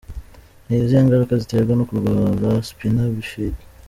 Ni izihe ngaruka ziterwa no kurwara spina bifida?.